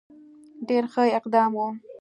ډېر ښه اقدام وو.